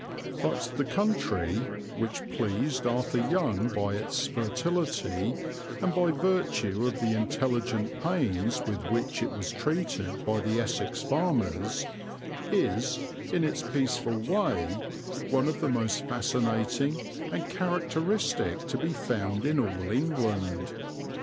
But the country, which pleased Arthur Young by its fertility and by virtue of the intelligent pains with which it was treated by the Essex farmers, is, in its peaceful way, one of the most fascinating and characteristic to be found in all England.